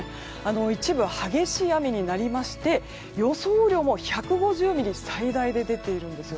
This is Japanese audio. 一部、激しい雨になりまして予想雨量も１５０ミリ最大で出ているんです。